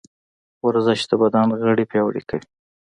ورزش د بدن غړي پیاوړي کوي.